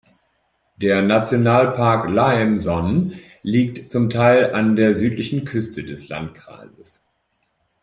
Der Nationalpark Laem Son liegt zum Teil an der südlichen Küste des Landkreises.